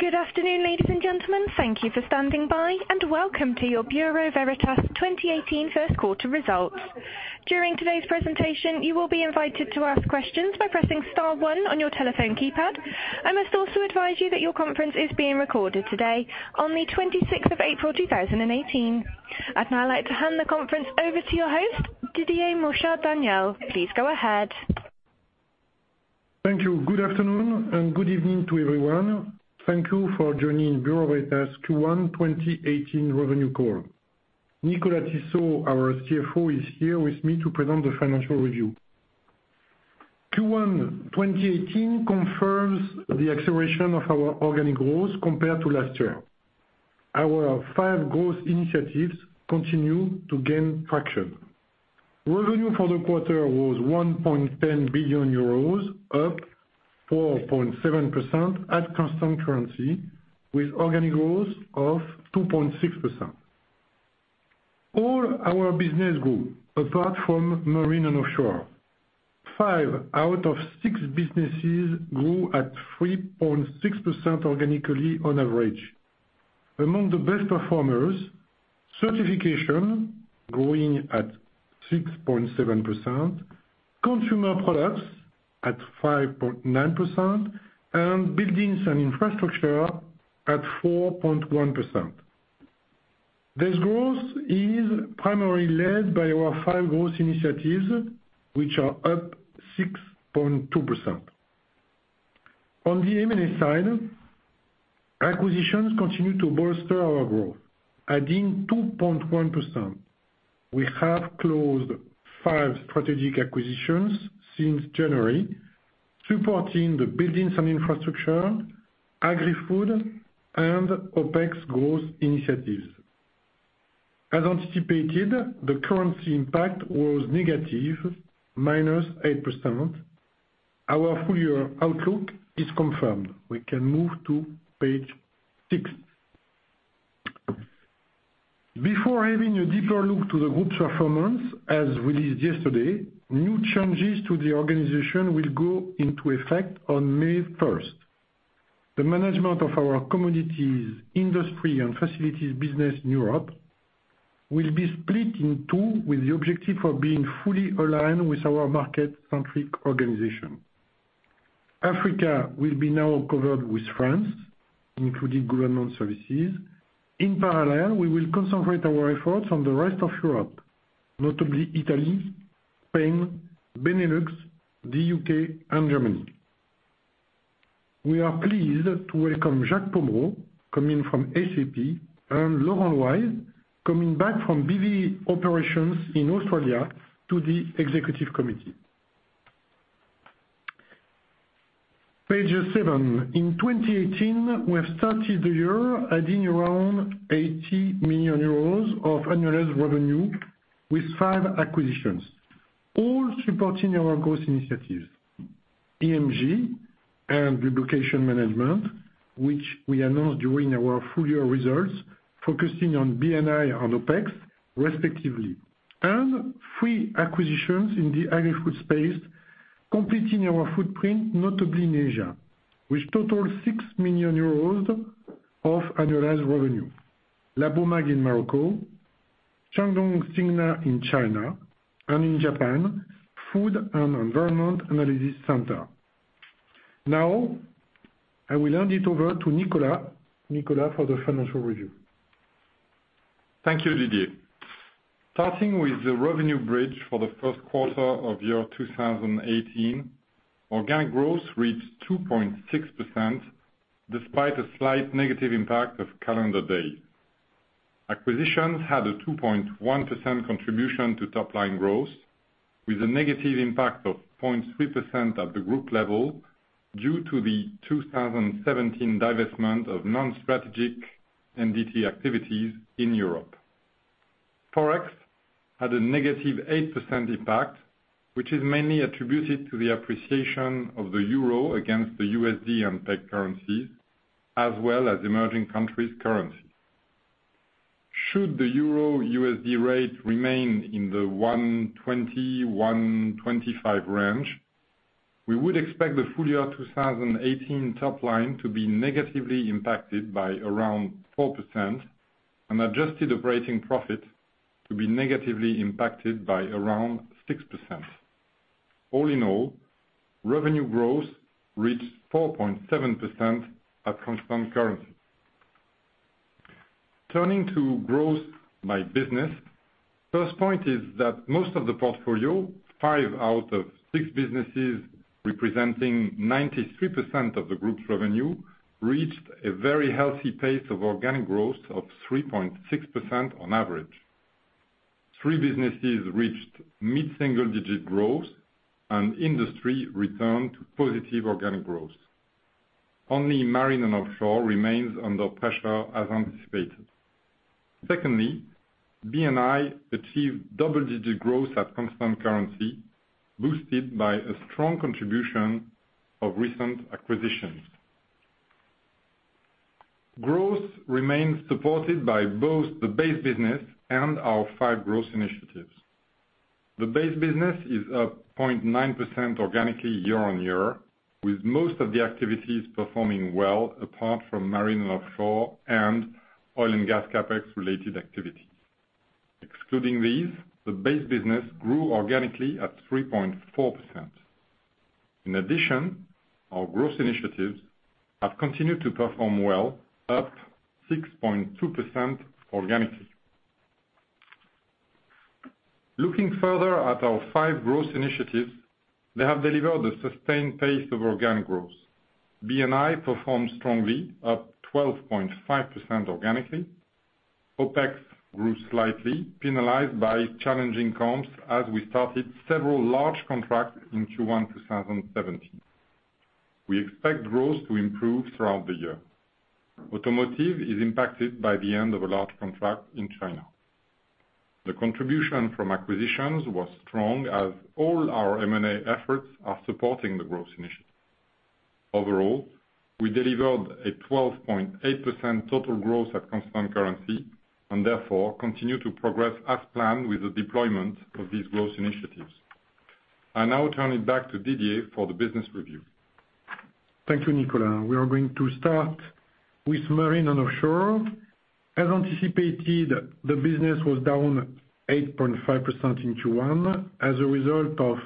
Good afternoon, ladies and gentlemen. Thank you for standing by, and welcome to your Bureau Veritas 2018 first quarter results. During today's presentation, you will be invited to ask questions by pressing star one on your telephone keypad. I must also advise you that your conference is being recorded today, on the 26th of April, 2018. I'd now like to hand the conference over to your host, Didier Michaud-Daniel. Please go ahead. Thank you. Good afternoon and good evening to everyone. Thank you for joining Bureau Veritas Q1 2018 Revenue Call. Nicolas Tissot, our CFO, is here with me to present the financial review. Q1 2018 confirms the acceleration of our organic growth compared to last year. Our five growth initiatives continue to gain traction. Revenue for the quarter was 1.10 billion euros, up 4.7% at constant currency, with organic growth of 2.6%. All our businesses grew, apart from Marine & Offshore. Five out of six businesses grew at 3.6% organically on average. Among the best performers, Certification growing at 6.7%, Consumer Products at 5.9%, and Buildings & Infrastructure at 4.1%. This growth is primarily led by our five growth initiatives, which are up 6.2%. On the M&A side, acquisitions continue to bolster our growth, adding 2.1%. We have closed five strategic acquisitions since January, supporting the Buildings & Infrastructure, Agri-Food, and OPEX growth initiatives. As anticipated, the currency impact was negative, -8%. Our full-year outlook is confirmed. We can move to page six. Before having a deeper look to the group's performance, as released yesterday, new changes to the organization will go into effect on May 1st. The management of our Commodities, Industry and Facilities business in Europe will be split in two, with the objective of being fully aligned with our market-centric organization. Africa will be now covered with France, including government services. In parallel, we will concentrate our efforts on the rest of Europe, notably Italy, Spain, Benelux, the U.K., and Germany. We are pleased to welcome Jacques Pommeraud, coming from SAP, and Laurent Louail, coming back from BV operations in Australia to the Executive Committee. Page seven. In 2018, we have started the year adding around 80 million euros of annualized revenue with five acquisitions, all supporting our growth initiatives. EMG and Lubrication Management, which we announced during our full-year results, focusing on B&I and OPEX respectively. And three acquisitions in the Agri-Food space, completing our footprint, notably in Asia, which total 6 million euros of annualized revenue. Labomag in Morocco, Shandong Xinya in China, and in Japan Food Research Laboratories. Now, I will hand it over to Nicolas for the financial review. Thank you, Didier. Starting with the revenue bridge for the first quarter of 2018, organic growth reached 2.6%, despite a slight negative impact of calendar day. Acquisitions had a 2.1% contribution to top-line growth, with a negative impact of 0.3% at the group level due to the 2017 divestment of non-strategic NDT activities in Europe. Forex had a negative 8% impact, which is mainly attributed to the appreciation of the euro against the USD and pegged currencies, as well as emerging countries' currency. Should the euro-USD rate remain in the 120-125 range, we would expect the full year 2018 top line to be negatively impacted by around 4%, and adjusted operating profit to be negatively impacted by around 6%. All in all, revenue growth reached 4.7% at constant currency. Turning to growth by business, first point is that most of the portfolio, five out of six businesses representing 93% of the group's revenue, reached a very healthy pace of organic growth of 3.6% on average. Three businesses reached mid-single digit growth, and Industry returned to positive organic growth. Only Marine & Offshore remains under pressure as anticipated. Secondly, B&I achieved double-digit growth at constant currency, boosted by a strong contribution of recent acquisitions. Growth remains supported by both the base business and our five growth initiatives. The base business is up 0.9% organically year-over-year, with most of the activities performing well apart from Marine & Offshore, and oil and gas CapEx related activities. Excluding these, the base business grew organically at 3.4%. In addition, our growth initiatives have continued to perform well, up 6.2% organically. Looking further at our five growth initiatives, they have delivered a sustained pace of organic growth. B&I performed strongly, up 12.5% organically. OPEX grew slightly, penalized by challenging comps as we started several large contracts in Q1 2017. We expect growth to improve throughout the year. Automotive is impacted by the end of a large contract in China. The contribution from acquisitions was strong as all our M&A efforts are supporting the growth initiative. Overall, we delivered a 12.8% total growth at constant currency and therefore continue to progress as planned with the deployment of these growth initiatives. I now turn it back to Didier for the business review. Thank you, Nicolas. We are going to start with Marine & Offshore. As anticipated, the business was down 8.5% in Q1 as a result of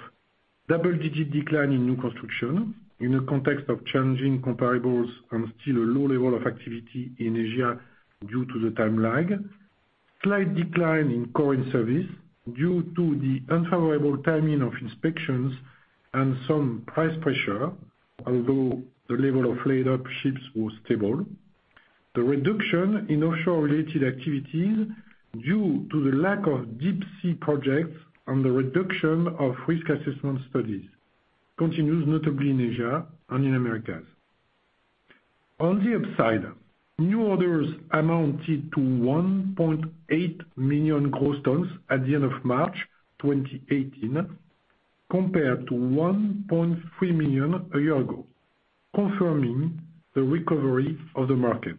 double-digit decline in new construction in a context of changing comparables and still a low level of activity in Asia due to the time lag. Slight decline in current service due to the unfavorable timing of inspections and some price pressure, although the level of laid-up ships was stable. The reduction in offshore related activities due to the lack of deep sea projects and the reduction of risk assessment studies continues notably in Asia and in Americas. On the upside, new orders amounted to 1.8 million gross tons at the end of March 2018, compared to 1.3 million a year ago, confirming the recovery of the market.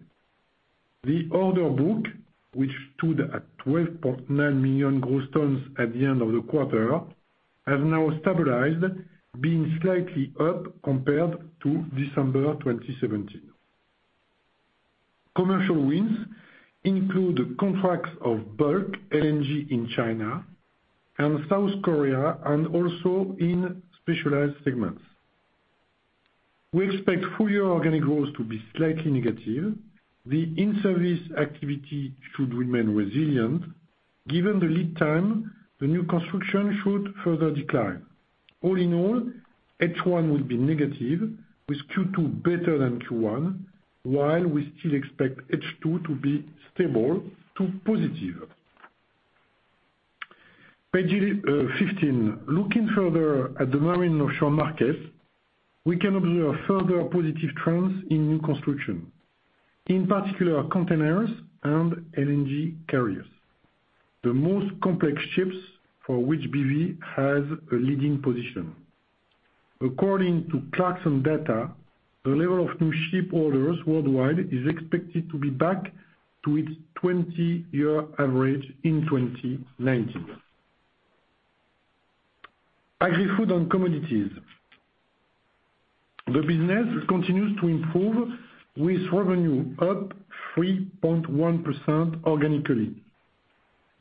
The order book, which stood at 12.9 million gross tons at the end of the quarter, has now stabilized, being slightly up compared to December 2017. Commercial wins include contracts of bulk LNG in China and South Korea and also in specialized segments. We expect full year organic growth to be slightly negative. The in-service activity should remain resilient. Given the lead time, the new construction should further decline. All in all, H1 will be negative with Q2 better than Q1, while we still expect H2 to be stable to positive. Page 15. Looking further at the Marine & Offshore markets, we can observe further positive trends in new construction, in particular containers and LNG carriers, the most complex ships for which BV has a leading position. According to Clarksons data, the level of new ship orders worldwide is expected to be back to its 20-year average in 2019. Agri-Food and Commodities. The business continues to improve with revenue up 3.1% organically.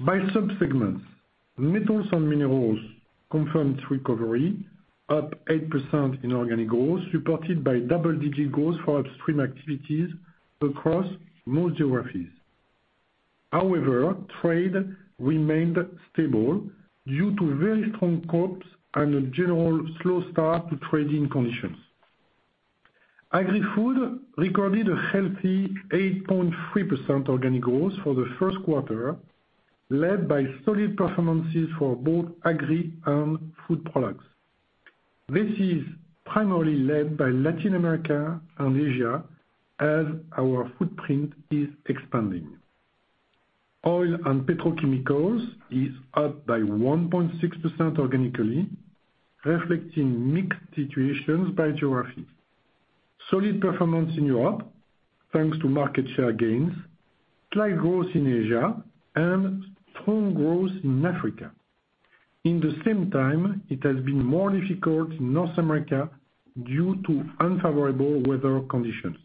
By subsegments, Metals and Minerals confirmed recovery up 8% in organic growth, supported by double-digit growth for upstream activities across most geographies. Trade remained stable due to very strong costs and a general slow start to trading conditions. Agri-Food recorded a healthy 8.3% organic growth for the first quarter, led by solid performances for both agri and food products. This is primarily led by Latin America and Asia as our footprint is expanding. Oil and Petrochemicals is up by 1.6% organically, reflecting mixed situations by geography. Solid performance in Europe, thanks to market share gains, slight growth in Asia, and strong growth in Africa. At the same time, it has been more difficult in North America due to unfavorable weather conditions.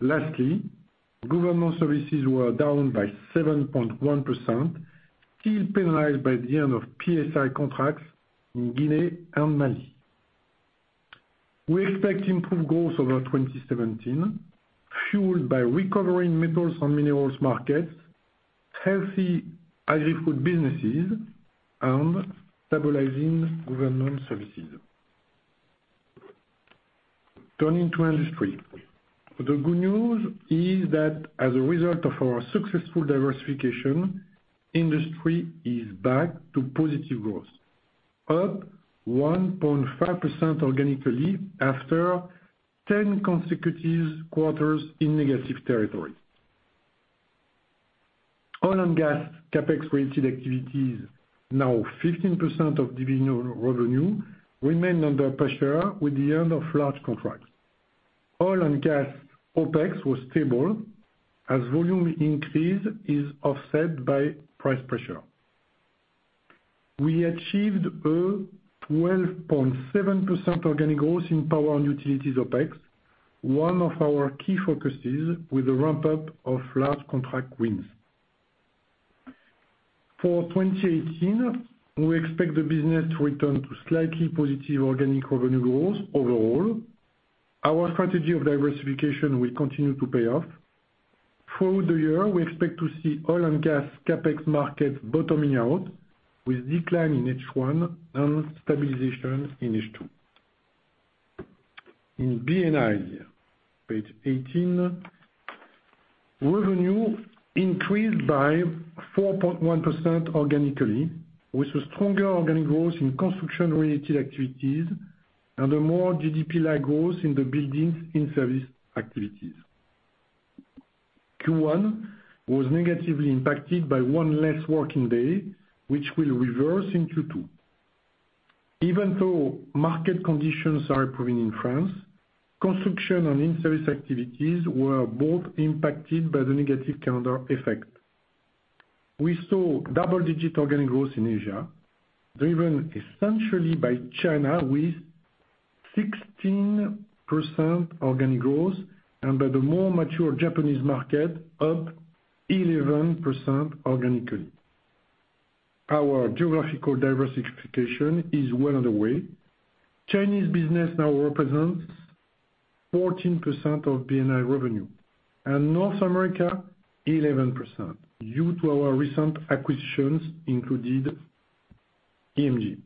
Lastly, Government Services were down by 7.1%, still penalized by the end of PSI contracts in Guinea and Mali. We expect improved growth over 2017, fueled by recovering Metals and Minerals markets, healthy Agri-Food businesses, and stabilizing Government Services. Turning to Industry. The good news is that as a result of our successful diversification, Industry is back to positive growth, up 1.5% organically after 10 consecutive quarters in negative territory. Oil and Gas CapEx-related activities, now 15% of division revenue, remain under pressure with the end of large contracts. Oil and Gas OpEx was stable as volume increase is offset by price pressure. We achieved a 12.7% organic growth in Power and Utilities OpEx, one of our key focuses with the ramp-up of large contract wins. For 2018, we expect the business to return to slightly positive organic revenue growth overall. Our strategy of diversification will continue to pay off. Throughout the year, we expect to see Oil and Gas CapEx markets bottoming out, with decline in H1 and stabilization in H2. In B&I, page 18, revenue increased by 4.1% organically, with a stronger organic growth in construction-related activities and a more GDP-like growth in the Buildings in-service activities. Q1 was negatively impacted by one less working day, which will reverse in Q2. Even though market conditions are improving in France, construction and in-service activities were both impacted by the negative calendar effect. We saw double-digit organic growth in Asia, driven essentially by China with 16% organic growth and by the more mature Japanese market, up 11% organically. Our geographical diversification is well underway. Chinese business now represents 14% of B&I revenue and North America 11%, due to our recent acquisitions including EMG.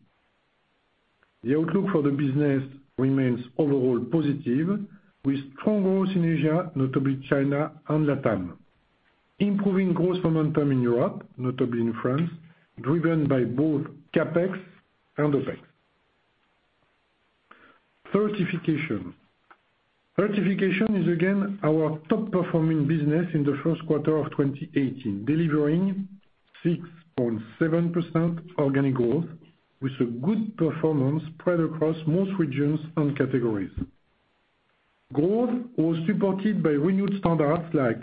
The outlook for the business remains overall positive, with strong growth in Asia, notably China and LATAM. Improving growth momentum in Europe, notably in France, driven by both CapEx and OpEx. Certification. Certification is again our top-performing business in the 1st quarter of 2018, delivering 6.7% organic growth with a good performance spread across most regions and categories. Growth was supported by renewed standards like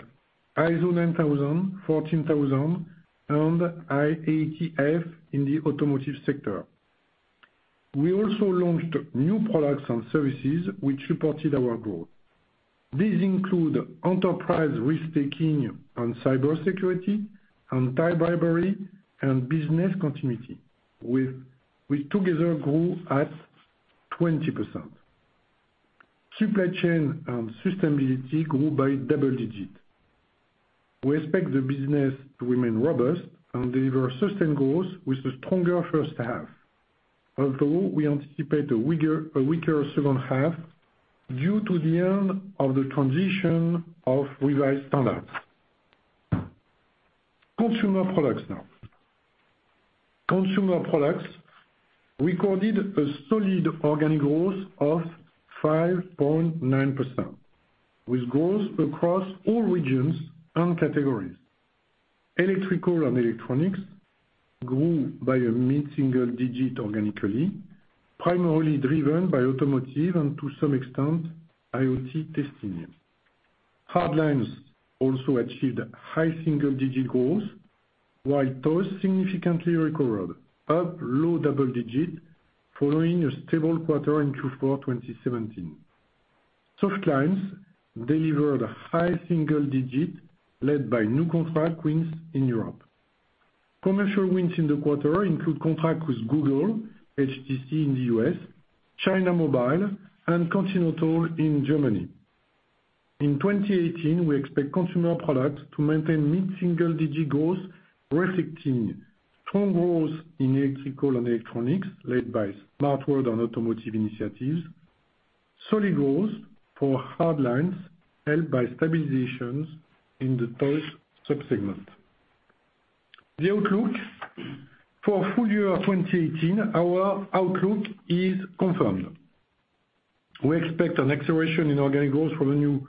ISO 9000, 14000, and IATF in the automotive sector. We also launched new products and services which supported our growth. These include enterprise risk-taking on cybersecurity, anti-bribery, and business continuity, which together grew at 20%. Supply chain and sustainability grew by double-digit. We expect the business to remain robust and deliver sustained growth with a stronger 1st half. Although we anticipate a weaker 2nd half due to the end of the transition of revised standards. Consumer Products now. Consumer Products recorded a solid organic growth of 5.9%, with growth across all regions and categories. Electrical and electronics grew by a mid-single-digit organically, primarily driven by automotive and to some extent, IoT testing. Hardlines also achieved high-single-digit growth, while toys significantly recovered up low-double-digit following a stable quarter in Q4 2017. Softlines delivered a high-single-digit led by new contract wins in Europe. Commercial wins in the quarter include contracts with Google, HTC in the U.S., China Mobile, and Continental in Germany. In 2018, we expect Consumer Products to maintain mid-single-digit growth, reflecting strong growth in electrical and electronics led by SmartWorld on automotive initiatives, solid growth for hardlines helped by stabilizations in the toys sub-segment. The outlook for full year 2018, our outlook is confirmed. We expect an acceleration in organic growth revenue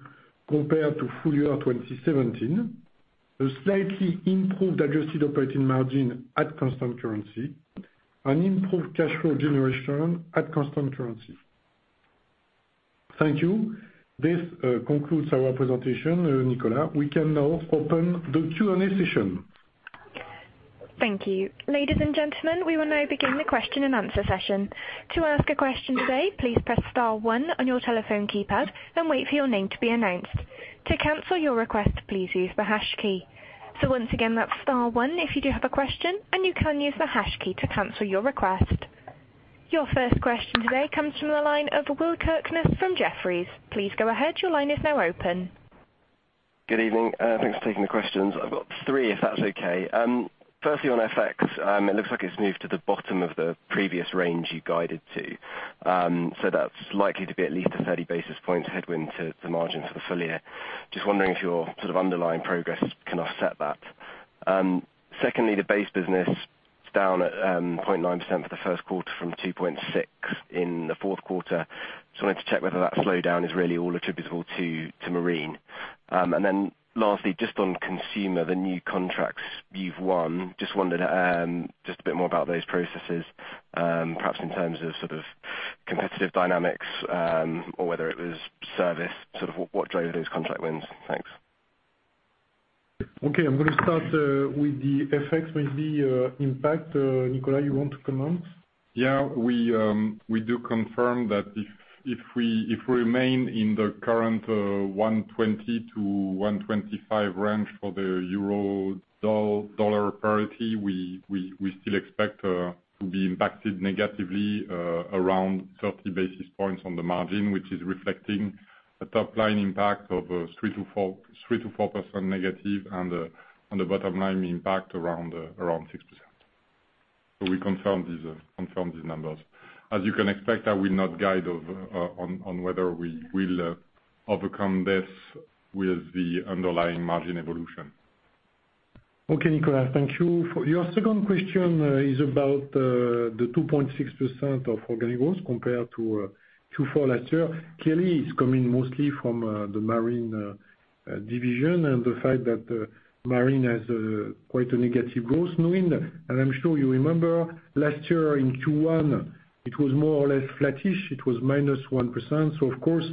compared to full year 2017, a slightly improved adjusted operating margin at constant currency, and improved cash flow generation at constant currency. Thank you. This concludes our presentation. Nicolas, we can now open the Q&A session. Thank you. Ladies and gentlemen, we will now begin the question-and-answer session. To ask a question today, please press star one on your telephone keypad and wait for your name to be announced. To cancel your request, please use the hash key. Once again, that's star one if you do have a question, and you can use the hash key to cancel your request. Your 1st question today comes from the line of Will Kirkness from Jefferies. Please go ahead. Your line is now open. Good evening. Thanks for taking the questions. I've got three, if that's okay. Firstly, on FX, it looks like it's moved to the bottom of the previous range you guided to. That's likely to be at least a 30 basis points headwind to the margin for the full year. Just wondering if your underlying progress can offset that. Secondly, the base business is down at 0.9% for the first quarter from 2.6% in the fourth quarter. Just wanted to check whether that slowdown is really all attributable to Marine. Lastly, just on Consumer, the new contracts you've won. Just wondered just a bit more about those processes, perhaps in terms of competitive dynamics, or whether it was service, what drove those contract wins? Thanks. Okay. I'm going to start with the FX with the impact. Nicolas, you want to comment? Yeah. We do confirm that if we remain in the current 120-125 range for the euro-dollar parity, we still expect to be impacted negatively around 30 basis points on the margin, which is reflecting a top-line impact of 3%-4% negative and a bottom-line impact around 6%. We confirm these numbers. As you can expect, I will not guide on whether we'll overcome this with the underlying margin evolution. Okay, Nicolas, thank you. Your second question is about the 2.6% of organic growth compared to fall last year. Clearly, it's coming mostly from the Marine division and the fact that Marine has quite a negative growth. Knowing that, and I'm sure you remember, last year in Q1, it was more or less flattish, it was -1%. Of course,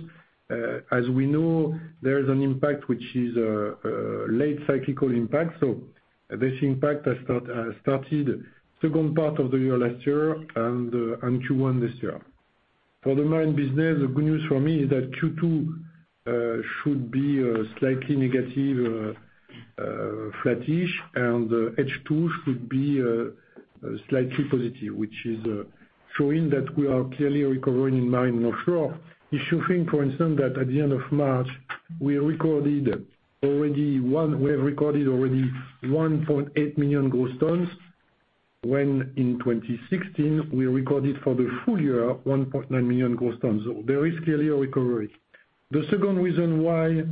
as we know, there is an impact, which is a late cyclical impact. This impact has started second part of the year last year and Q1 this year. For the Marine business, the good news for me is that Q2 should be slightly negative, flattish, and H2 should be slightly positive, which is showing that we are clearly recovering in Marine & Offshore. If you think, for instance, that at the end of March, we have recorded already 1.8 million gross tons, when in 2016, we recorded for the full year, 1.9 million gross tons. There is clearly a recovery. The second reason why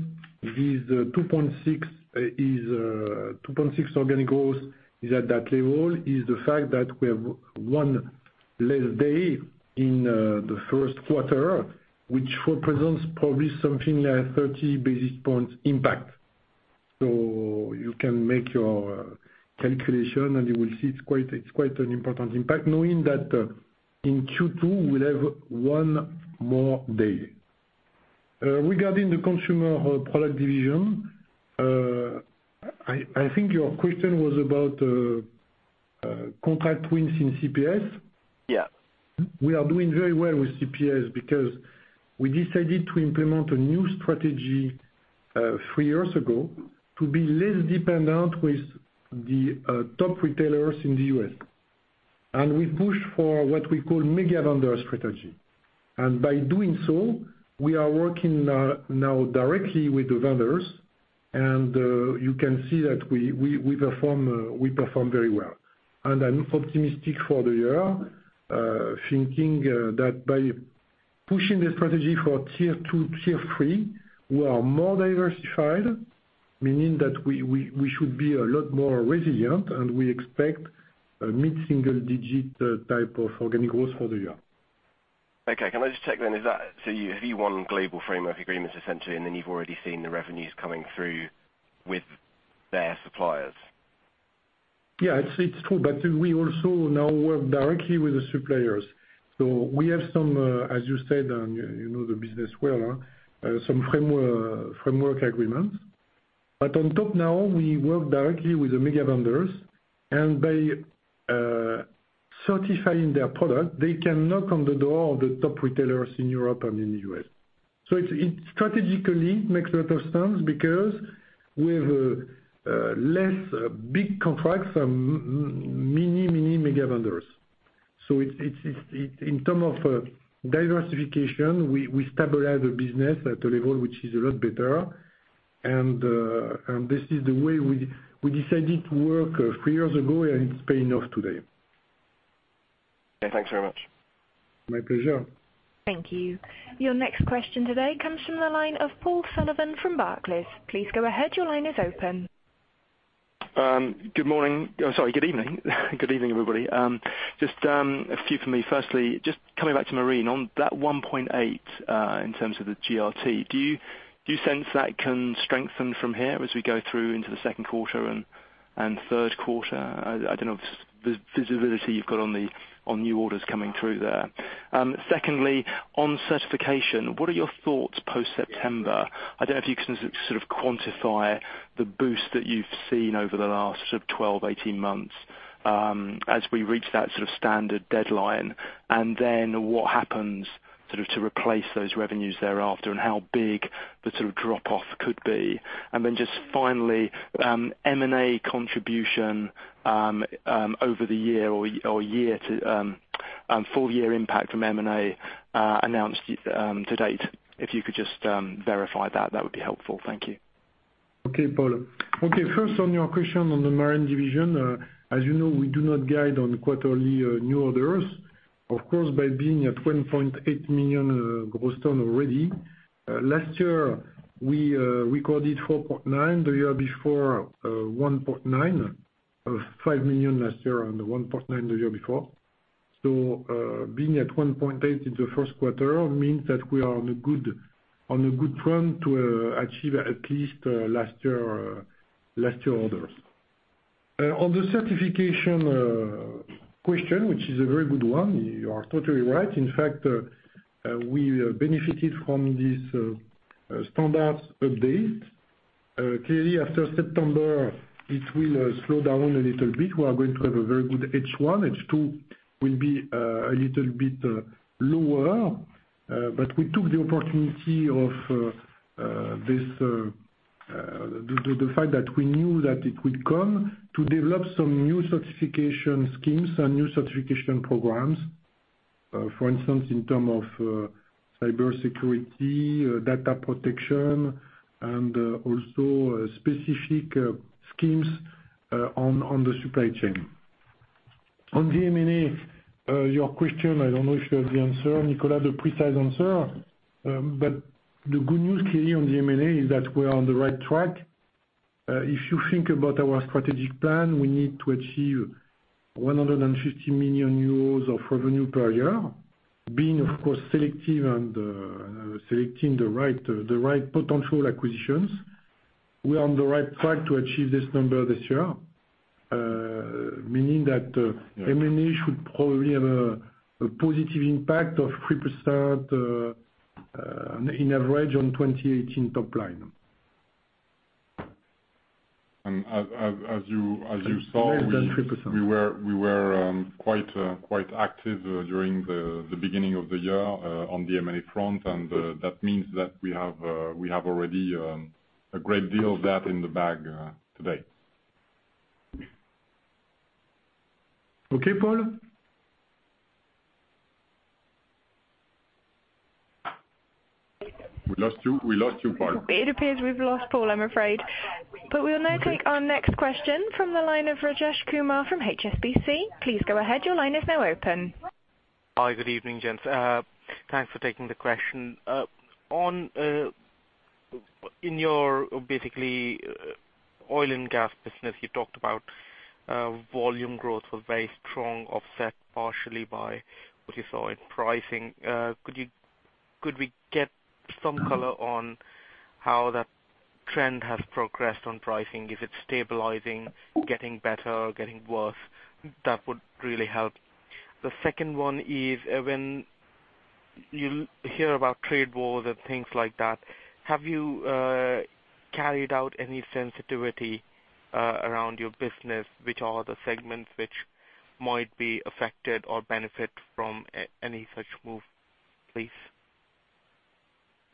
this 2.6% organic growth is at that level is the fact that we have one less day in the first quarter, which represents probably something like 30 basis points impact. You can make your calculation, and you will see it is quite an important impact, knowing that in Q2 we will have one more day. Regarding the Consumer Products division, I think your question was about contract wins in CPS? Yeah. We are doing very well with CPS because we decided to implement a new strategy three years ago to be less dependent with the top retailers in the U.S. We pushed for what we call mega vendor strategy. By doing so, we are working now directly with the vendors, and you can see that we perform very well. I am optimistic for the year, thinking that by pushing the strategy for tier 2, tier 3, we are more diversified, meaning that we should be a lot more resilient, and we expect a mid-single digit type of organic growth for the year. Okay. Can I just check then, have you won global framework agreements essentially, and then you have already seen the revenues coming through with their suppliers? Yeah. It is true, we also now work directly with the suppliers. We have some, as you said, and you know the business well, some framework agreements. On top now, we work directly with the mega vendors, and by certifying their product, they can knock on the door of the top retailers in Europe and in the U.S. It strategically makes a lot of sense because we have less big contracts from many, many mega vendors. In term of diversification, we stabilize the business at a level which is a lot better. This is the way we decided to work three years ago, and it is paying off today. Okay. Thanks very much. My pleasure. Thank you. Your next question today comes from the line of Paul Sullivan from Barclays. Please go ahead. Your line is open. Good morning. Sorry, good evening. Good evening, everybody. Just a few from me. Firstly, just coming back to marine, on that 1.8 in terms of the GRT, do you sense that can strengthen from here as we go through into the second quarter and third quarter? I don't know the visibility you've got on new orders coming through there. Secondly, on certification, what are your thoughts post-September? I don't know if you can sort of quantify the boost that you've seen over the last sort of 12, 18 months, as we reach that sort of standard deadline, and then what happens sort of to replace those revenues thereafter, and how big the sort of drop-off could be. Just finally, M&A contribution over the year, or full-year impact from M&A announced to date. If you could just verify that would be helpful. Thank you. Paul. First on your question on the Marine division. As you know, we do not guide on quarterly new orders. Of course, by being at 1.8 million gross tons already. Last year, we recorded 4.9 million, the year before 1.9 million. 5 million last year and 1.9 million the year before. Being at 1.8 million in the first quarter means that we are on a good trend to achieve at least last year's orders. On the Certification question, which is a very good one, you are totally right. In fact, we benefited from this standards update. Clearly, after September, it will slow down a little bit. We are going to have a very good H1. H2 will be a little bit lower. We took the opportunity of the fact that we knew that it would come, to develop some new certification schemes and new certification programs. For instance, in terms of cybersecurity, data protection, and also specific schemes on the supply chain. On the M&A, your question, I don't know if you have the answer, Nicolas, the precise answer. The good news clearly on the M&A is that we are on the right track. If you think about our strategic plan, we need to achieve 150 million euros of revenue per year. Being, of course, selective and selecting the right potential acquisitions. We are on the right track to achieve this number this year. Meaning that M&A should probably have a positive impact of 3% on average on 2018 top line. As you saw- A little less than 3% We were quite active during the beginning of the year on the M&A front, that means that we have already a great deal of that in the bag today. Okay, Paul? We lost you, Paul. It appears we've lost Paul, I'm afraid. We'll now take our next question from the line of Rajesh Kumar from HSBC. Please go ahead. Your line is now open. Hi. Good evening, gents. Thanks for taking the question. In your, oil and gas business, you talked about volume growth was very strong, offset partially by what you saw in pricing. Could we get some color on how that trend has progressed on pricing? Is it stabilizing, getting better, or getting worse? That would really help. The second one is, when you hear about trade wars and things like that, have you carried out any sensitivity around your business? Which are the segments which might be affected or benefit from any such move, please?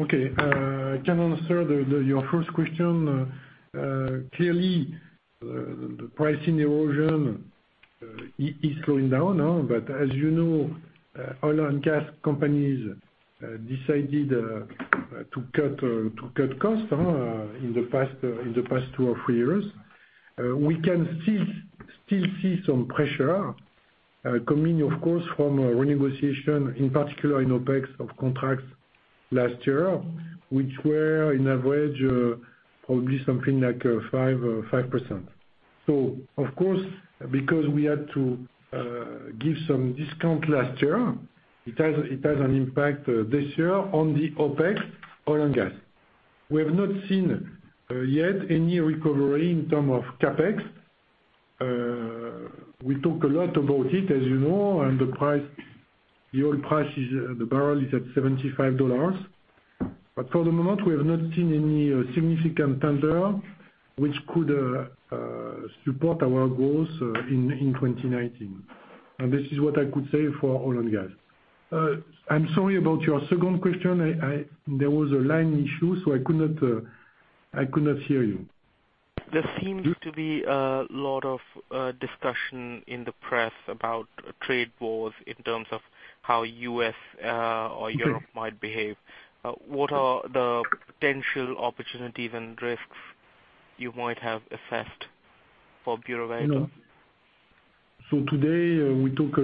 Okay. I can answer your first question. Clearly, the pricing erosion is going down, but as you know oil and gas companies decided to cut cost in the past two or three years. We can still see some pressure coming, of course, from renegotiation, in particular in OPEX of contracts last year, which were on average probably something like 5%. Of course, because we had to give some discount last year, it has an impact this year on the OPEX oil and gas. We have not seen yet any recovery in term of CapEx. We talk a lot about it, as you know, and the oil price, the barrel is at $75. For the moment, we have not seen any significant tender which could support our growth in 2019. This is what I could say for oil and gas. I'm sorry about your second question. There was a line issue, so I could not hear you. There seems to be a lot of discussion in the press about trade wars in terms of how U.S. or Europe might behave. What are the potential opportunities and risks you might have assessed for Bureau Veritas? Today, we talk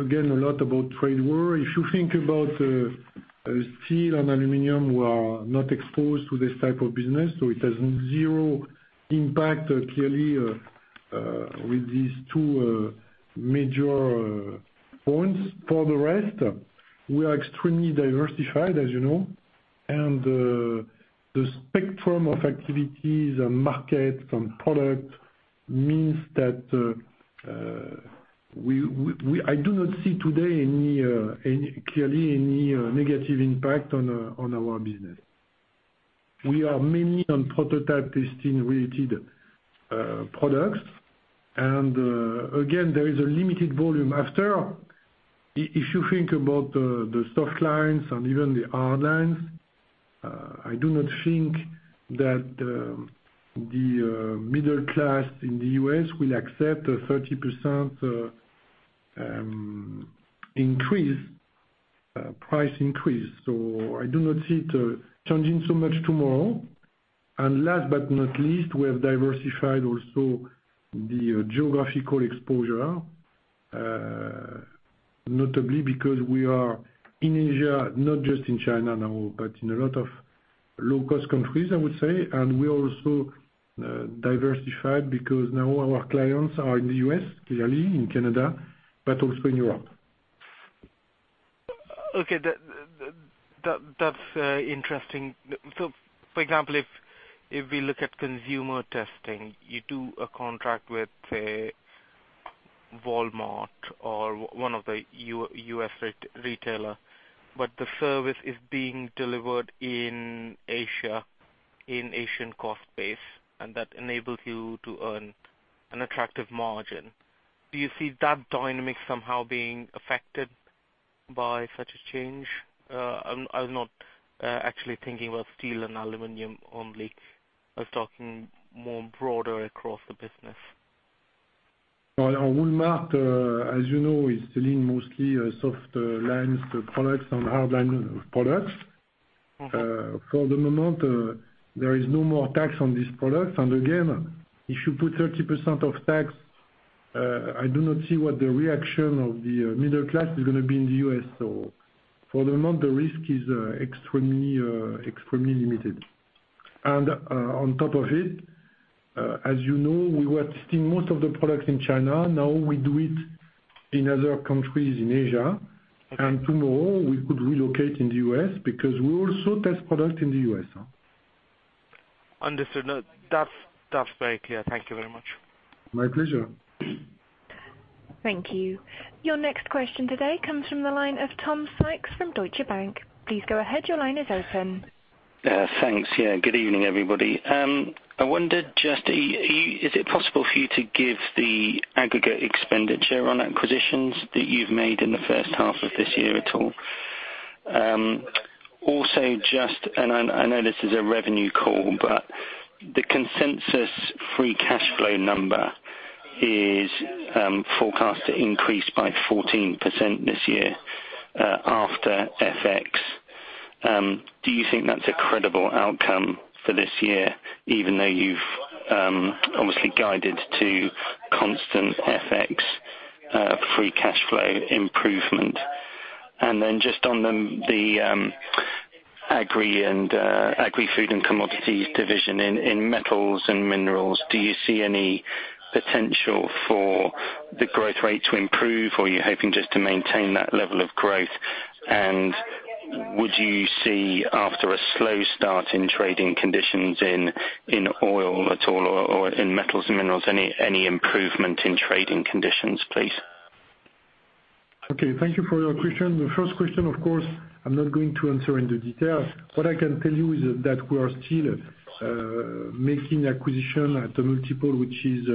again a lot about trade war. If you think about steel and aluminum, we are not exposed to this type of business, so it has zero impact, clearly, with these two major points. For the rest, we are extremely diversified, as you know, and the spectrum of activities and markets and product means that I do not see today, clearly, any negative impact on our business. We are mainly on prototype testing-related products. Again, there is a limited volume. After, if you think about the soft lines and even the hard lines, I do not think that the middle class in the U.S. will accept a 30% price increase. I do not see it changing so much tomorrow. Last but not least, we have diversified also the geographical exposure, notably because we are in Asia, not just in China now, but in low-cost countries, I would say. We are also diversified because now our clients are in the U.S., clearly, in Canada, but also in Europe. Okay. That's interesting. For example, if we look at consumer testing, you do a contract with, say, Walmart or one of the U.S. retailer, but the service is being delivered in Asia, in Asian cost base, and that enables you to earn an attractive margin. Do you see that dynamic somehow being affected by such a change? I'm not actually thinking about steel and aluminum only. I was talking more broader across the business. On Walmart, as you know, is selling mostly soft lines products than hard line products. For the moment, there is no more tax on these products. Again, if you put 30% of tax, I do not see what the reaction of the middle class is going to be in the U.S. For the moment, the risk is extremely limited. On top of it, as you know, we were testing most of the products in China. Now we do it in other countries in Asia. Okay. Tomorrow we could relocate in the U.S. because we also test products in the U.S. Understood. No, that's very clear. Thank you very much. My pleasure. Thank you. Your next question today comes from the line of Tom Sykes from Deutsche Bank. Please go ahead. Your line is open. Thanks. Yeah. Good evening, everybody. I wondered just, is it possible for you to give the aggregate expenditure on acquisitions that you've made in the first half of this year at all? Also just, I know this is a revenue call, but the consensus free cash flow number is forecast to increase by 14% this year, after FX. Do you think that's a credible outcome for this year, even though you've obviously guided to constant FX free cash flow improvement? Then just on the Agri-Food and commodities division in metals and minerals, do you see any potential for the growth rate to improve, or are you hoping just to maintain that level of growth? Would you see after a slow start in trading conditions in oil at all, or in metals and minerals, any improvement in trading conditions, please? Okay. Thank you for your question. The first question, of course, I'm not going to answer in the details. What I can tell you is that we are still making acquisition at a multiple, which is,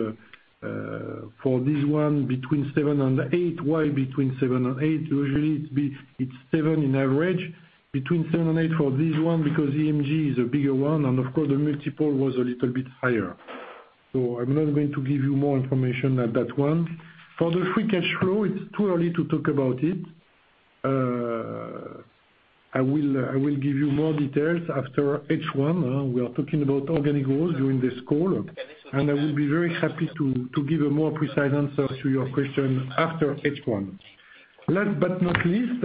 for this one, between seven and eight. Why between seven and eight? Usually it's seven in average. Between seven and eight for this one because EMG is a bigger one and of course the multiple was a little bit higher. I'm not going to give you more information at that one. For the free cash flow, it's too early to talk about it. I will give you more details after H1. We are talking about organic growth during this call. I will be very happy to give a more precise answer to your question after H1. Last but not least,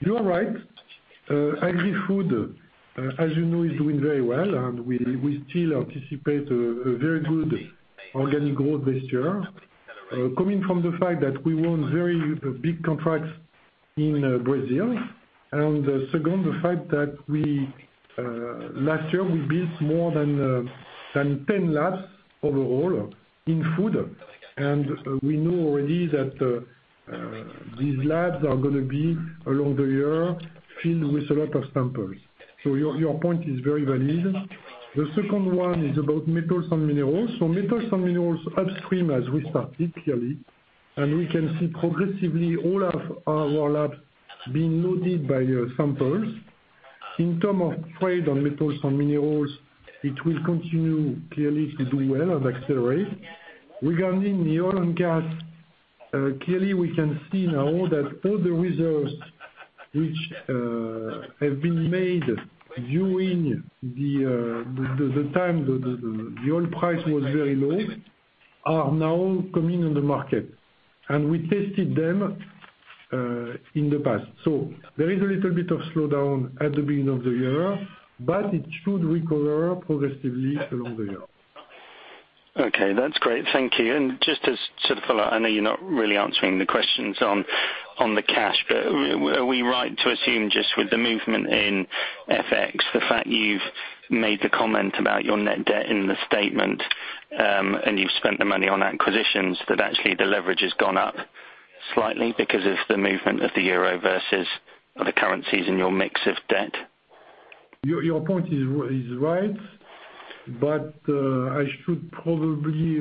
you are right. Agri-Food, as you know, is doing very well, and we still anticipate a very good organic growth this year. Coming from the fact that we won very big contracts in Brazil, and second, the fact that last year we built more than 10 labs overall in food. We know already that these labs are going to be, along the year, filled with a lot of samples. Your point is very valid. The second one is about metals and minerals. Metals and minerals upstream as we started, clearly, and we can see progressively all of our labs being loaded by samples. In term of trade on metals and minerals, it will continue, clearly, to do well and accelerate. Regarding the oil and gas, clearly we can see now that all the reserves which have been made during the time the oil price was very low, are now coming on the market. We tested them in the past. There is a little bit of slowdown at the beginning of the year, but it should recover progressively along the year. Okay. That's great. Thank you. Just as sort of follow-up, I know you're not really answering the questions on the cash, but are we right to assume just with the movement in FX, the fact you've made the comment about your net debt in the statement, and you've spent the money on acquisitions, that actually the leverage has gone up slightly because of the movement of the Euro versus other currencies in your mix of debt? Your point is right, I should probably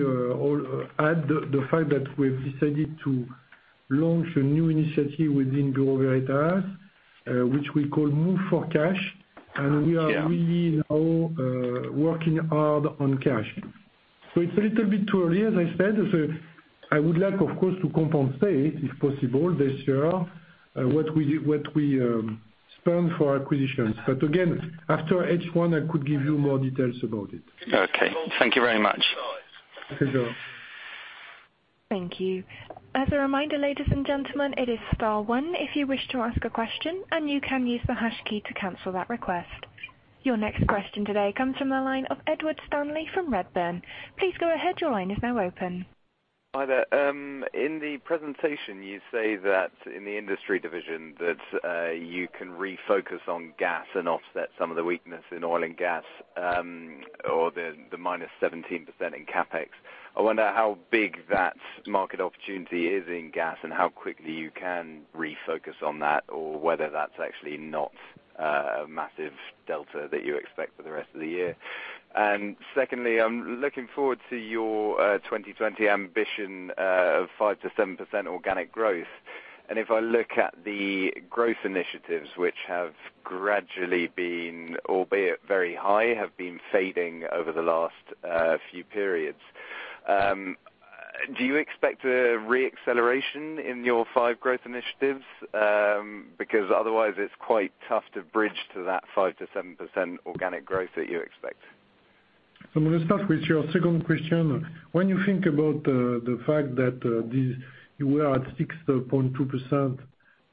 add the fact that we have decided to launch a new initiative within Bureau Veritas, which we call Move for Cash. Yeah. We are really now working hard on cash. It's a little bit too early, as I said. I would like, of course, to compensate, if possible this year, what we spend for acquisitions. Again, after H1, I could give you more details about it. Okay. Thank you very much. Okay. Sure. Thank you. As a reminder, ladies and gentlemen, it is star one if you wish to ask a question, and you can use the hash key to cancel that request. Your next question today comes from the line of Edward Stanley from Redburn. Please go ahead. Your line is now open. Hi there. In the presentation, you say that in the industry division that you can refocus on gas and offset some of the weakness in oil and gas, or the -17% in CapEx. I wonder how big that market opportunity is in gas and how quickly you can refocus on that, or whether that's actually not a massive delta that you expect for the rest of the year. Secondly, I'm looking forward to your 2020 ambition of 5%-7% organic growth. If I look at the growth initiatives, which have gradually been, albeit very high, fading over the last few periods. Do you expect a re-acceleration in your five growth initiatives? Because otherwise it's quite tough to bridge to that 5%-7% organic growth that you expect. I'm going to start with your second question. When you think about the fact that you were at 6.2%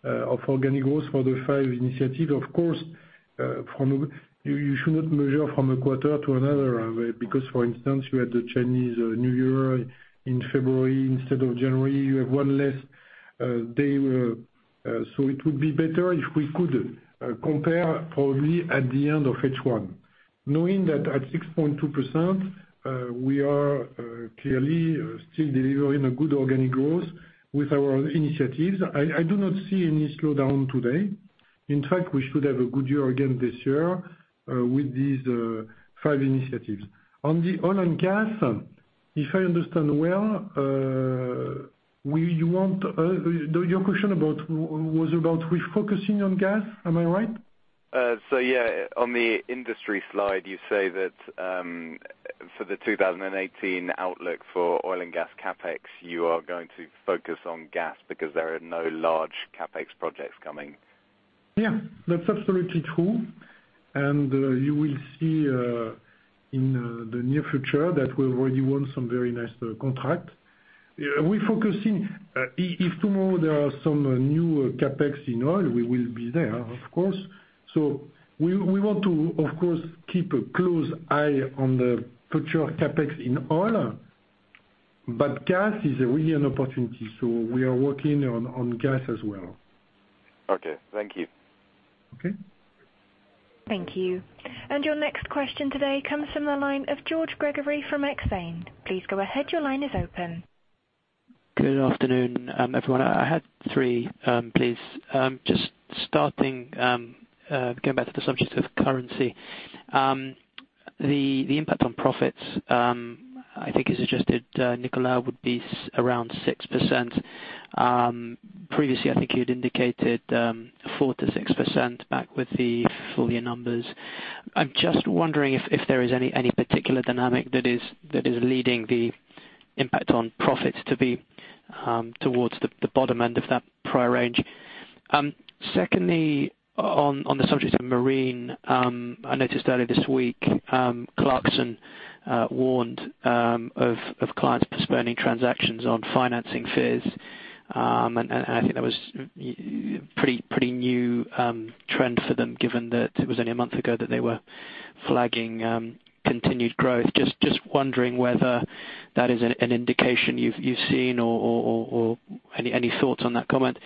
of organic growth for the five initiatives, of course, you shouldn't measure from a quarter to another, because, for instance, you had the Chinese New Year in February instead of January. You have one less day. It would be better if we could compare probably at the end of H1. Knowing that at 6.2%, we are clearly still delivering a good organic growth with our initiatives. I do not see any slowdown today. In fact, we should have a good year again this year with these five initiatives. On the oil and gas, if I understand well, your question was about refocusing on gas. Am I right? Yeah. On the industry slide, you say that for the 2018 outlook for oil and gas CapEx, you are going to focus on gas because there are no large CapEx projects coming. Yeah, that's absolutely true. You will see in the near future that we've already won some very nice contracts. Refocusing, if tomorrow there are some new CapEx in oil, we will be there, of course. We want to, of course, keep a close eye on the future CapEx in oil. Gas is really an opportunity, we are working on gas as well. Okay. Thank you. Okay. Thank you. Your next question today comes from the line of George Gregory from Exane. Please go ahead. Your line is open. Good afternoon, everyone. I had three, please. Just starting, going back to the subject of currency. The impact on profits, I think you suggested, Nicolas, would be around 6%. Previously, I think you'd indicated 4%-6% back with the full year numbers. I'm just wondering if there is any particular dynamic that is leading the impact on profits to be towards the bottom end of that prior range. Secondly, on the subject of marine, I noticed earlier this week, Clarksons warned of clients postponing transactions on financing fears. I think that was a pretty new trend for them, given that it was only a month ago that they were flagging continued growth. Just wondering whether that is an indication you've seen or any thoughts on that comment.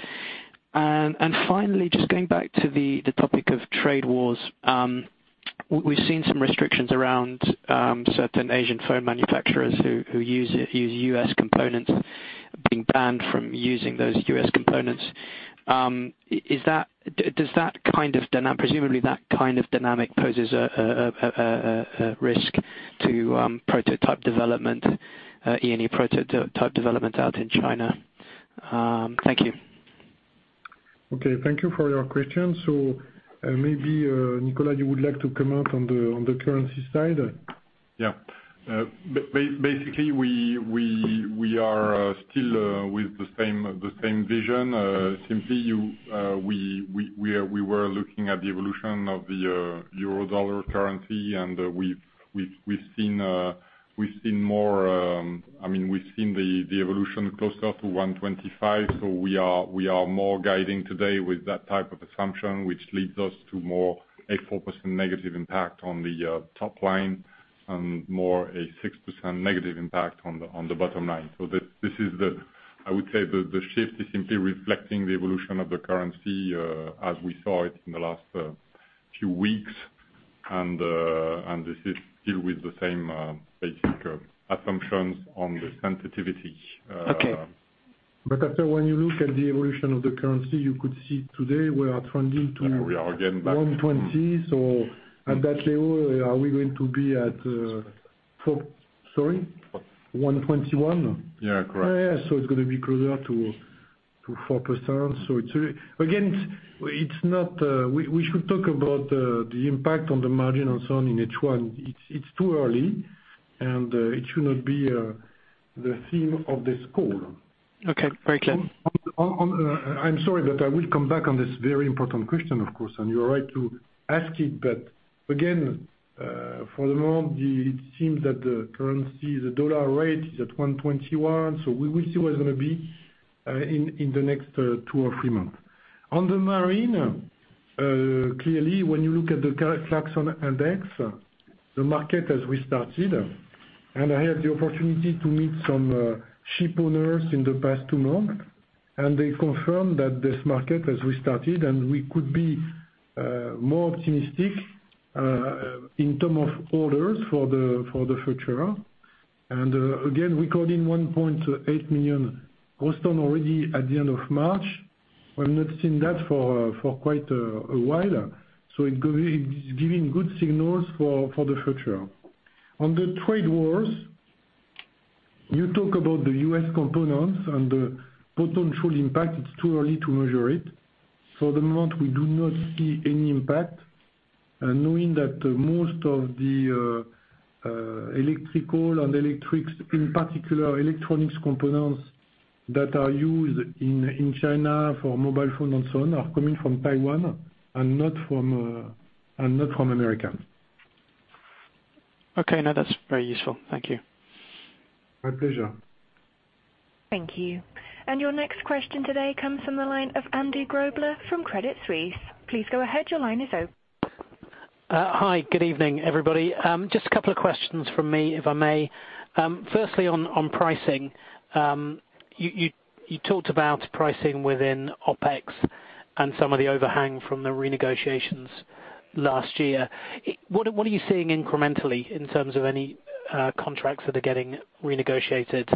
Finally, just going back to the topic of trade wars. We've seen some restrictions around certain Asian phone manufacturers who use U.S. components being banned from using those U.S. components. Presumably that kind of dynamic poses a risk to prototype development, E&E prototype development out in China. Thank you. Okay, thank you for your question. Maybe, Nicolas, you would like to comment on the currency side? Basically, we are still with the same vision. Simply, we were looking at the evolution of the Euro dollar currency, and we've seen the evolution closer to 1.25. We are more guiding today with that type of assumption, which leads us to more a 4% negative impact on the top line and more a 6% negative impact on the bottom line. I would say the shift is simply reflecting the evolution of the currency as we saw it in the last few weeks, and this is still with the same basic assumptions on the sensitivity. Okay. After when you look at the evolution of the currency, you could see today we are trending. We are again back 1.20. At that level, are we going to be at Sorry, 1.21? Yeah, correct. Yeah. It's going to be closer to 4%. Again, we should talk about the impact on the margin and so on in H1. It's too early, it should not be the theme of this call. Okay, very clear. I'm sorry, I will come back on this very important question, of course, you are right to ask it. Again, for the moment, it seems that the currency, the dollar rate is at 1.21, we will see where it's going to be in the next two or three months. On the marine, clearly, when you look at the current ClarkSea Index, the market has restarted. I have the opportunity to meet some ship owners in the past two months, they confirm that this market has restarted, we could be more optimistic in term of orders for the future. Again, recording 1.8 million gross tons already at the end of March. We've not seen that for quite a while. It's giving good signals for the future. On the trade wars, you talk about the U.S. components and the potential impact. It's too early to measure it. For the moment, we do not see any impact, knowing that most of the electrical and electronics components that are used in China for mobile phone and so on, are coming from Taiwan and not from the U.S. Okay. That's very useful. Thank you. My pleasure. Thank you. Your next question today comes from the line of Andy Grobler from Credit Suisse. Please go ahead. Your line is open. Hi, good evening, everybody. Just a couple of questions from me, if I may. Firstly, on pricing, you talked about pricing within OPEX and some of the overhang from the renegotiations last year. What are you seeing incrementally in terms of any contracts that are getting renegotiated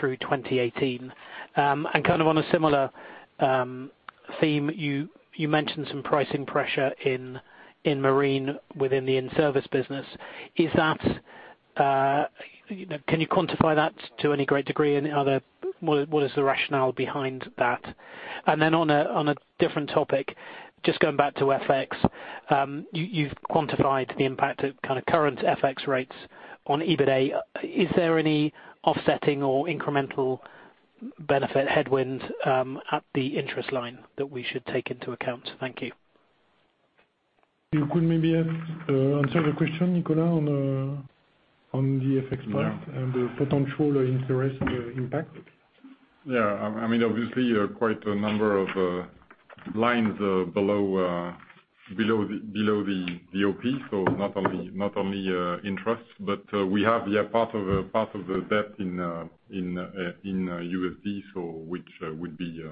through 2018? Kind of on a similar theme, you mentioned some pricing pressure in Marine within the in-service business. Can you quantify that to any great degree? What is the rationale behind that? Then on a different topic, just going back to FX, you've quantified the impact of kind of current FX rates on EBITA. Is there any offsetting or incremental benefit headwind at the interest line that we should take into account? Thank you. You could maybe answer the question, Nicolas, on the FX part and the potential interest impact. Yeah. Obviously, quite a number of lines below the OP, so not only interest, but we have part of the debt in USD which would be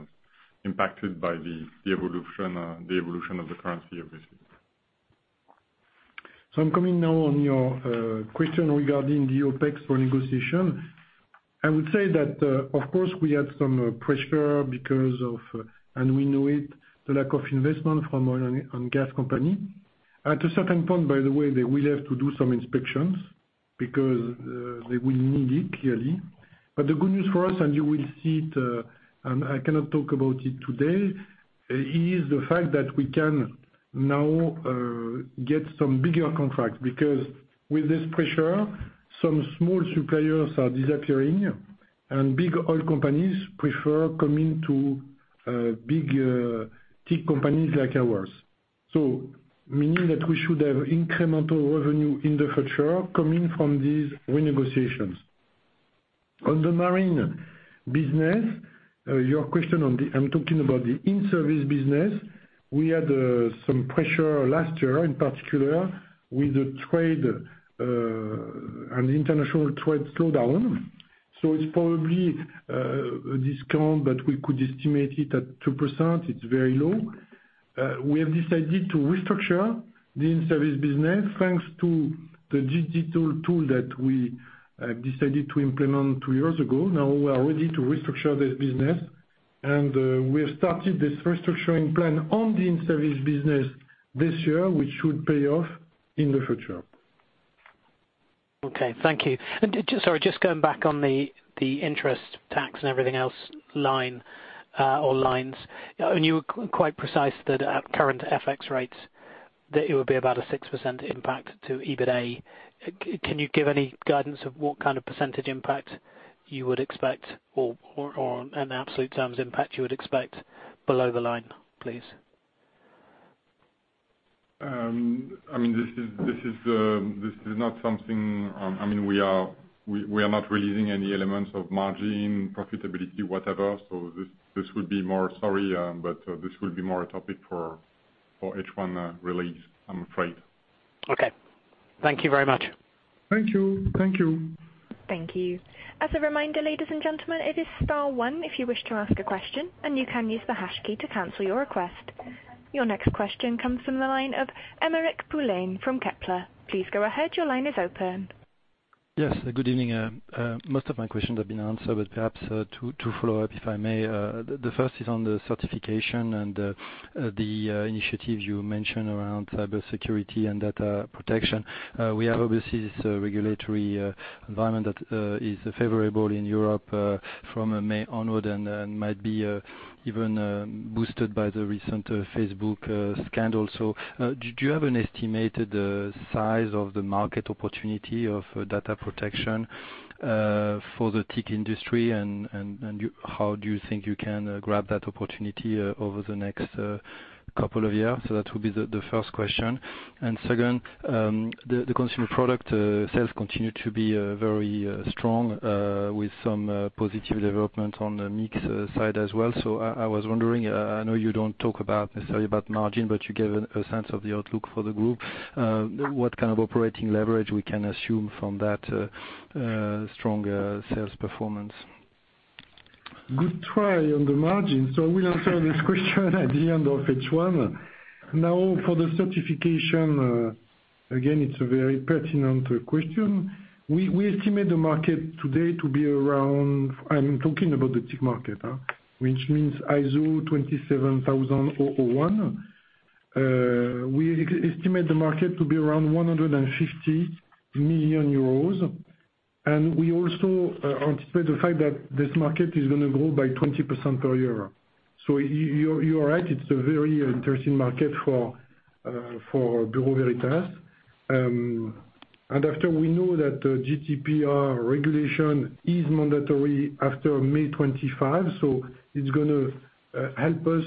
impacted by the evolution of the currency, obviously. I'm coming now on your question regarding the OPEX for negotiation. I would say that, of course, we had some pressure because of, and we know it, the lack of investment from oil and gas company. At a certain point, by the way, they will have to do some inspections because they will need it, clearly. The good news for us, and you will see it, and I cannot talk about it today, is the fact that we can now get some bigger contracts, because with this pressure, some small suppliers are disappearing, and big oil companies prefer coming to big tech companies like ours. Meaning that we should have incremental revenue in the future coming from these renegotiations. On the Marine business, I'm talking about the in-service business. We had some pressure last year, in particular, with the trade and international trade slowdown. It is probably a discount, but we could estimate it at 2%. It is very low. We have decided to restructure the in-service business, thanks to the digital tool that we decided to implement two years ago. Now we are ready to restructure this business, and we have started this restructuring plan on the in-service business this year, which should pay off in the future. Okay. Thank you. Sorry, just going back on the interest tax and everything else line or lines. You were quite precise that at current FX rates, that it would be about a 6% impact to EBITA. Can you give any guidance of what kind of percentage impact you would expect or an absolute terms impact you would expect below the line, please? We are not releasing any elements of margin, profitability, whatever. This would be more, sorry, but this will be more a topic for H1 release, I am afraid. Okay. Thank you very much. Thank you. Thank you. As a reminder, ladies and gentlemen, it is star one if you wish to ask a question, and you can use the hash key to cancel your request. Your next question comes from the line of Aymeric Poulain from Kepler. Please go ahead. Your line is open. Yes. Good evening. Most of my questions have been answered, but perhaps to follow up, if I may. The first is on the Certification and the initiative you mentioned around cybersecurity and data protection. We have obviously this regulatory environment that is favorable in Europe from May onward and might be even boosted by the recent Facebook scandal. Do you have an estimated size of the market opportunity of data protection for the TIC industry? How do you think you can grab that opportunity over the next couple of years? That will be the first question. Second, the Consumer Products sales continue to be very strong, with some positive development on the mix side as well. I was wondering, I know you don't talk necessarily about margin, but you gave a sense of the outlook for the group. What kind of operating leverage we can assume from that strong sales performance? Good try on the margin. We'll answer this question at the end of H1. Now for the Certification, again, it's a very pertinent question. We estimate the market today to be around, I'm talking about the TIC market, which means ISO 27001. We estimate the market to be around 150 million euros. We also anticipate the fact that this market is going to grow by 20% per year. You are right, it's a very interesting market for Bureau Veritas. After we know that GDPR regulation is mandatory after May 25, it's going to help us,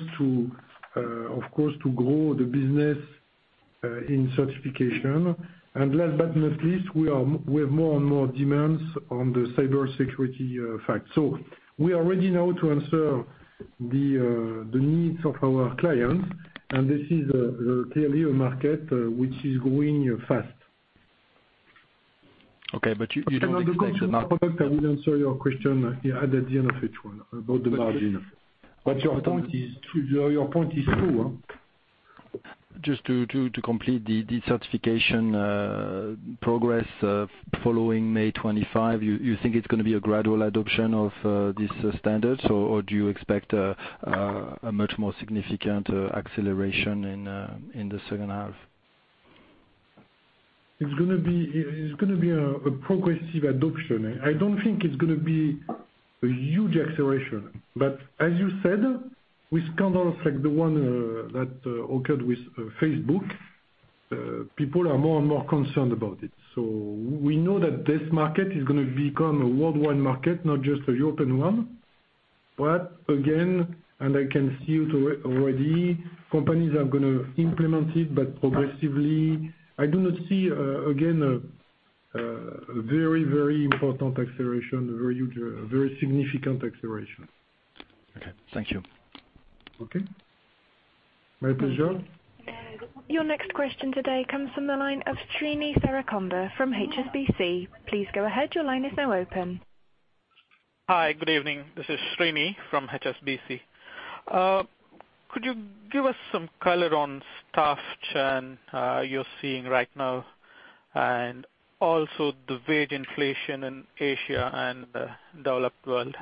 of course, to grow the business in Certification. Last but not least, we have more and more demands on the cybersecurity front. We are ready now to answer the needs of our clients, and this is clearly a market which is growing fast. Okay, you don't expect the market- On the Consumer Products, I will answer your question at the end of H1. About the margin. Your point is true. Just to complete the Certification progress following May 25, you think it's going to be a gradual adoption of these standards? Or do you expect a much more significant acceleration in the second half? It's going to be a progressive adoption. I don't think it's going to be a huge acceleration. As you said, with scandals like the one that occurred with Facebook, people are more and more concerned about it. We know that this market is going to become a worldwide market, not just a European one. Again, and I can see it already, companies are going to implement it, but progressively. I do not see, again, a very, very important acceleration, a very significant acceleration. Okay. Thank you. Okay. My pleasure. Your next question today comes from the line of Srini Srikonda from HSBC. Please go ahead. Your line is now open. Hi, good evening. This is Srini from HSBC. Could you give us some color on staff churn you're seeing right now, and also the wage inflation in Asia and the developed world?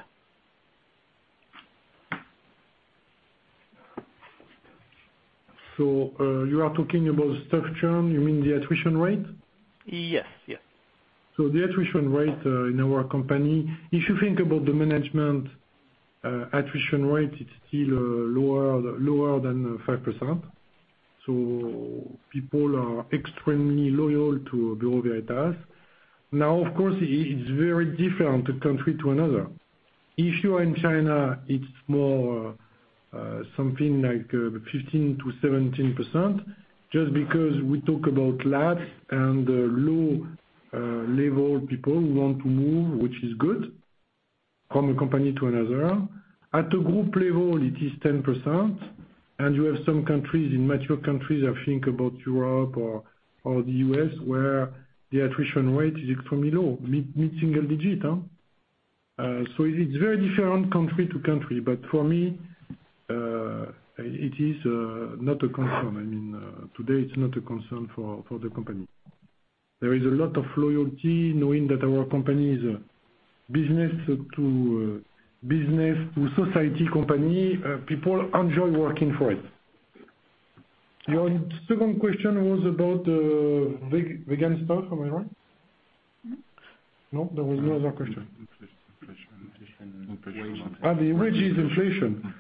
You are talking about staff churn, you mean the attrition rate? Yes, yes. The attrition rate in our company, if you think about the management attrition rate, it's still lower than 5%. People are extremely loyal to Bureau Veritas. Of course, it's very different country to another. If you are in China, it's more something like 15%-17%, just because we talk about labs and low-level people who want to move, which is good, from a company to another. At a group level, it is 10%, and you have some countries, in mature countries, I think about Europe or the U.S., where the attrition rate is extremely low, mid single digit. It is very different country to country. For me, it is not a concern. Today, it's not a concern for the company. There is a lot of loyalty knowing that our company is a business-to-society company. People enjoy working for it. Your second question was about the wage stuff, am I right? No? There was no other question. Inflation. The wages inflation.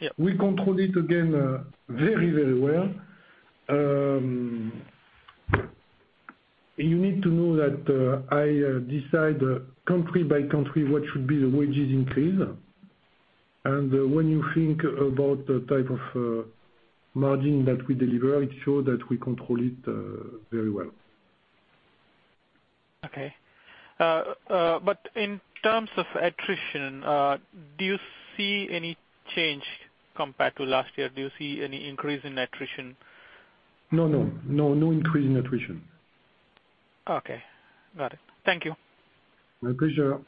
Yeah. We control it, again, very, very well. You need to know that I decide country by country what should be the wages increase. When you think about the type of margin that we deliver, it shows that we control it very well. Okay. In terms of attrition, do you see any change compared to last year? Do you see any increase in attrition? No, no increase in attrition. Okay. Got it. Thank you. My pleasure.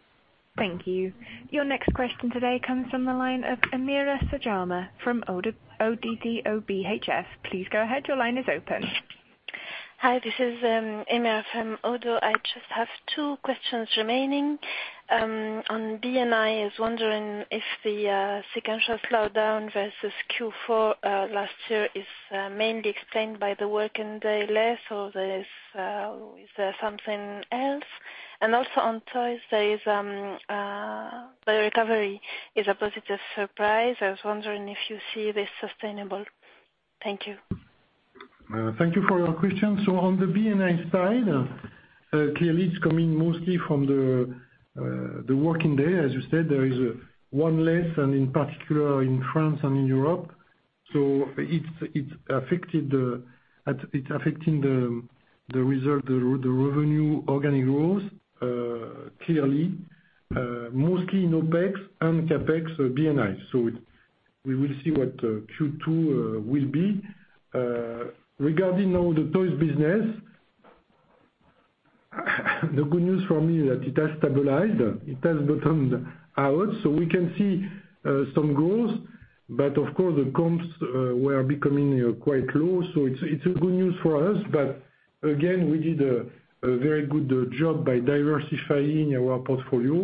Thank you. Your next question today comes from the line of Amira Manai from ODDO BHF. Please go ahead. Your line is open. Hi, this is Amira from ODDO. I just have two questions remaining. On B&I was wondering if the sequential slowdown versus Q4 last year is mainly explained by the working day less or is there something else? Also on toys, the recovery is a positive surprise. I was wondering if you see this sustainable. Thank you. Thank you for your question. On the B&I side, clearly it's coming mostly from the working day. As you said, there is one less and in particular in France and in Europe. It's affecting the revenue organic growth, clearly, mostly in OPEX and CapEx B&I. We will see what Q2 will be. Regarding now the toys business, the good news for me is that it has stabilized. It has bottomed out, so we can see some growth. Of course, the comps were becoming quite low, so it's good news for us. Again, we did a very good job by diversifying our portfolio,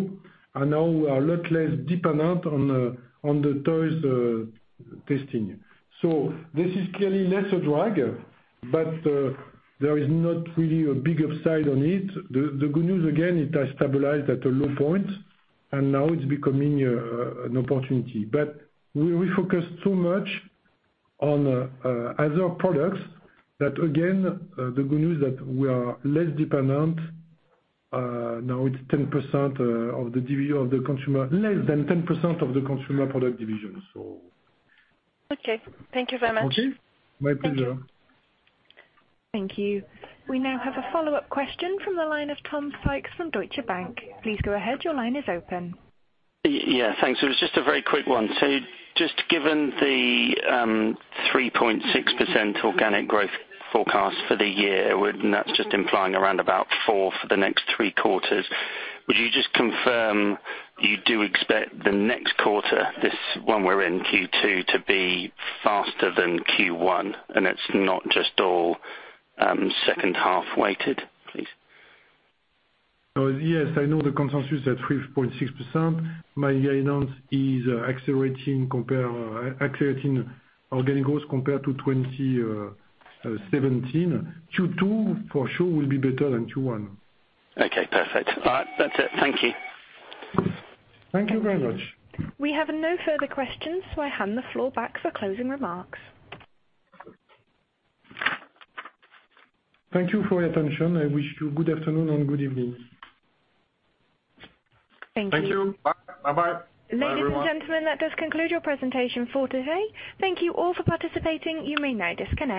and now we are a lot less dependent on the toys testing. This is clearly less a drag, but there is not really a big upside on it. The good news again, it has stabilized at a low point and now it's becoming an opportunity. We focus so much on other products that again, the good news is that we are less dependent. Now it's less than 10% of the Consumer Products division. Okay. Thank you very much. Okay. My pleasure. Thank you. We now have a follow-up question from the line of Tom Sykes from Deutsche Bank. Please go ahead. Your line is open. Yeah, thanks. Just given the 3.6% organic growth forecast for the year, and that is just implying around about four for the next three quarters, would you just confirm you do expect the next quarter, this one we are in, Q2, to be faster than Q1, and it is not just all second half weighted, please? Yes, I know the consensus at 3.6%. My guidance is accelerating organic growth compared to 2017. Q2 for sure will be better than Q1. Okay, perfect. All right. That's it. Thank you. Thank you very much. We have no further questions. I hand the floor back for closing remarks. Thank you for your attention. I wish you good afternoon and good evening. Thank you. Thank you. Bye. Bye bye. Ladies and gentlemen, that does conclude your presentation for today. Thank you all for participating. You may now disconnect.